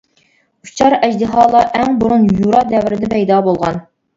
ئۇچار ئەجدىھالار ئەڭ بۇرۇن يۇرا دەۋرىدە پەيدا بولغان.